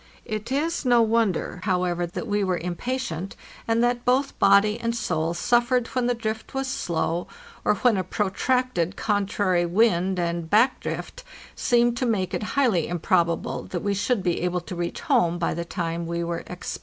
It is no wonder, however, that we were impatient, and that both body and soul suffered when the drift was slow, or when a protracted contrary wind and back drift seemed to make it highly improbable that we should be able to reach home by the time we were expected.